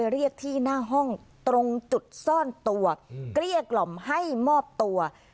เรียกที่หน้าห้องตรงจุดซ่อนตัวเกลี้ยกล่อมให้มอบตัว